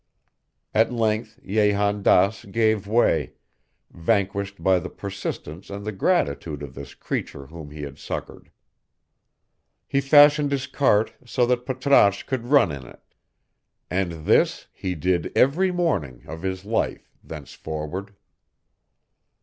At length Jehan Daas gave way, vanquished by the persistence and the gratitude of this creature whom he had succored. He fashioned his cart so that Patrasche could run in it, and this he did every morning of his life thenceforward.